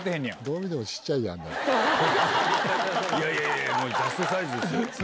いやいやジャストサイズですよ。